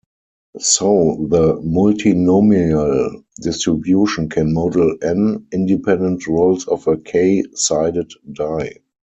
So the multinomial distribution can model "n" independent rolls of a "k" sided die.